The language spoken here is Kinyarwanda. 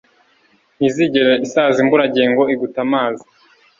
ntizigera isaza imburagihe ngo igutamaze